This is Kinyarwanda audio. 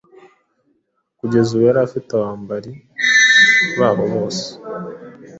Kugeza ubu yari afite abambari bose babo